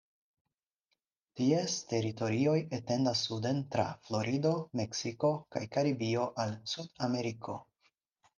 Ties teritorioj etendas suden tra Florido, Meksiko kaj Karibio al Sudameriko.